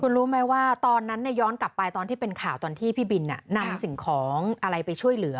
คุณรู้ไหมว่าตอนนั้นย้อนกลับไปตอนที่เป็นข่าวตอนที่พี่บินนำสิ่งของอะไรไปช่วยเหลือ